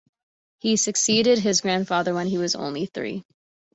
He succeeded his grandfather when he was only three.